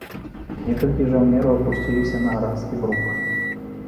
Некалькі жаўнераў апусцілася на гразкі брук.